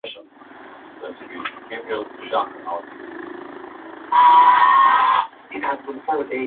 Tutengenezeni viwanja Mvula ina tafuta kwanza